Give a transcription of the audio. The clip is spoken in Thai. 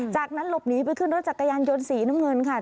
จากนั้นหลบหนีไปขึ้นรถจักรยานยนต์สีน้ำเงินค่ะ